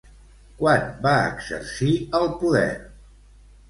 Quan va exercir el poder?